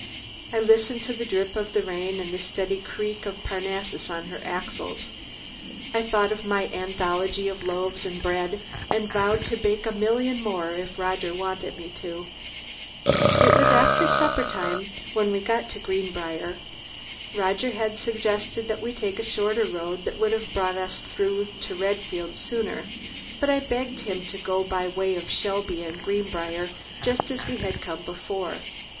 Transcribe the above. I listened to the drip of the rain, and the steady creak of Parnassus on her axles. I thought of my "anthology" of loaves of bread and vowed to bake a million more if Roger wanted me to. It was after supper time when we got to Greenbriar. Roger had suggested that we take a shorter road that would have brought us through to Redfield sooner, but I begged him to go by way of Shelby and Greenbriar, just as we had come before.